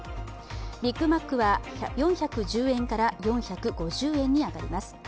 ビックマックは４１０円から４５０円に上がります。